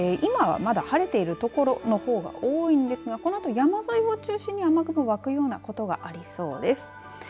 今はまだ晴れているところの方が多いんですがこのあと、山沿いを中心に雨雲湧くようなことがありそうです。